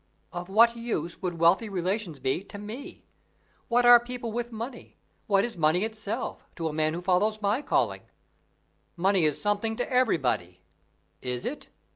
"Of what use would wealthy relations be to me? What are people with money what is money itself to a man who follows my calling?" "Money is something to everybody." "Is it?